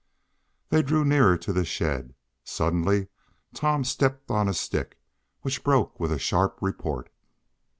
They drew nearer to the shed. Suddenly Tom stepped on a stick, which broke with a sharp report.